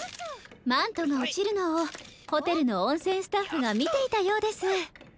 マントがおちるのをホテルのおんせんスタッフがみていたようです。